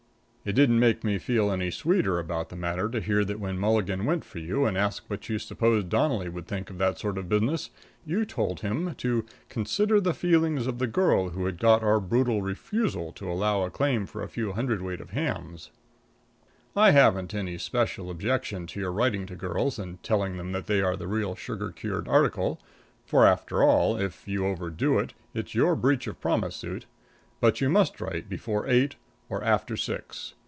It didn't make me feel any sweeter about the matter to hear that when Milligan went for you, and asked what you supposed Donnelly would think of that sort of business, you told him to "consider the feelings of the girl who got our brutal refusal to allow a claim for a few hundredweight of hams." I haven't any special objection to your writing to girls and telling them that they are the real sugar cured article, for, after all, if you overdo it, it's your breach of promise suit, but you must write before eight or after six.